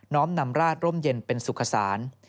้อมนำราชร่มเย็นเป็นสุขศาล